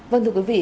vâng thưa quý vị